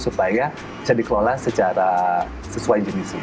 supaya bisa dikelola secara sesuai jenisnya